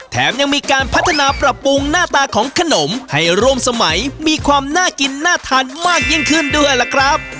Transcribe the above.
แถมยังมีการพัฒนาปรับปรุงหน้าตาของขนมให้ร่วมสมัยมีความน่ากินน่าทานมากยิ่งขึ้นด้วยล่ะครับ